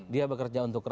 dia bekerja untuk kerja